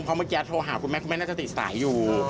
เพราะเมื่อกี้โทรหาคุณแม่คุณแม่น่าจะติดสายอยู่